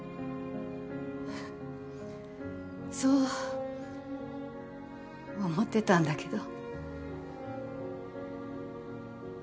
そう思ってたんだけど。